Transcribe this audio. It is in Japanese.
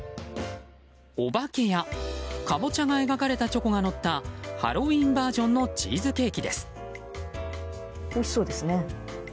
お化けやカボチャが描かれたチョコがのったハロウィーンバージョンのチーズケーキです。